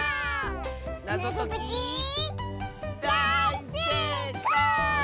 なぞときだい・せい・こう！